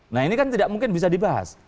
nah ini kan tidak mungkin bisa dibahas